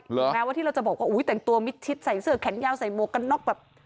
แม้ว่าที่เราจะบอกว่าอุ้ยแต่งตัวมิดชิดใส่เสื้อแขนยาวใส่หมวกกันน็อกแบบ